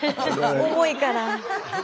重いから。